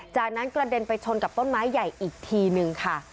จากนั้นกระเด็นไปชนกับต้นไม้ใหญ่อีกทีนึงค่ะ